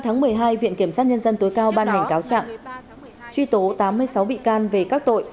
ngày một mươi ba một mươi hai viện kiểm sát nhân dân tối cao ban hành cáo trạng truy tố tám mươi sáu bị can về các tội